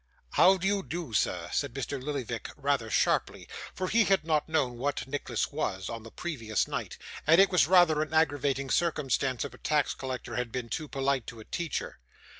'How do you do, sir?' said Mr. Lillyvick rather sharply; for he had not known what Nicholas was, on the previous night, and it was rather an aggravating circumstance if a tax collector had been too polite to a teacher.